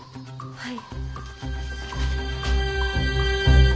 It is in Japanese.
はい。